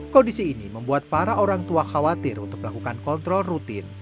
kondisi ini membuat para orang tua khawatir untuk melakukan kontrol rutin